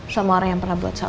sama orang yang pernah buat saya